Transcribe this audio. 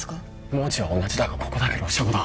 文字は同じだがここだけロシア語だ